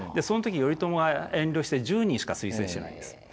その時に頼朝が遠慮して１０人しか推薦してないんです。